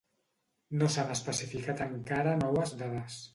No s'han especificat encara noves dades.